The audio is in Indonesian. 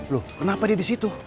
loh kenapa dia di situ